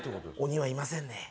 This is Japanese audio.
鬼はいませんね。